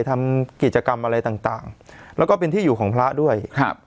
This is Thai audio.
ทำกิจกรรมอะไรต่างต่างแล้วก็เป็นที่อยู่ของพระด้วยครับ